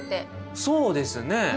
そうですね。